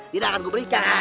tidak akan kuberikan